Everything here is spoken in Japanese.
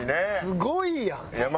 すごいやん。